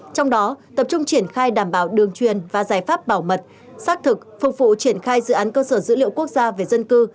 trong đó tập trung triển khai đảm bảo đường truyền và giải pháp bảo mật xác thực phục vụ triển khai dự án cơ sở dữ liệu quốc gia về dân cư